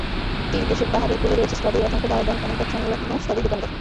তীর ঘেঁষে পাহাড়ের কোলে রয়েছে স্ট্রবেরির অসংখ্য বাগান এবং তৎসংলগ্ন স্ট্রবেরির দোকানঘর।